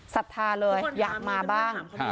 ศรัทธาเลยอยากมาบ้าง